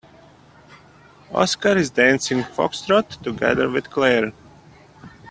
Oscar is dancing foxtrot together with Clara.